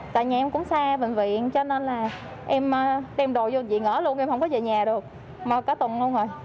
tại nhà em cũng xa bệnh viện cho nên là em đem đồ vô dị ngỡ luôn em không có về nhà được mà có tuần luôn rồi